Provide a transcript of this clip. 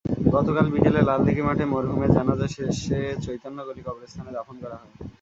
গতকাল বিকেলে লালদীঘি মাঠে মরহুমের জানাজা শেষে চৈতন্যগলি কবরস্থানে দাফন করা হয়।